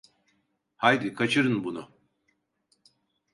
Haydi, kaçırın bunu…